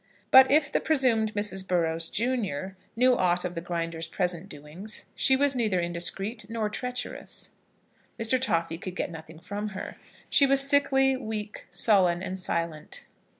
But, if the presumed Mrs. Burrows, junior, knew aught of the Grinder's present doings, she was neither indiscreet nor treacherous. Mr. Toffy could get nothing from her. She was sickly, weak, sullen, and silent.